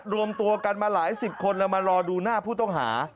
รวมตัวกันมาหลายสิบคนแล้วมารอดูหน้าผู้ต้องหา